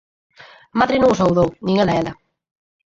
Madre non o saudou, nin el a ela.